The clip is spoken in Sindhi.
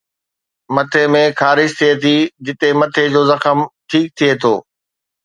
مٿي ۾ خارش ٿئي ٿي جتي مٿي جو زخم ٺيڪ ٿئي ٿو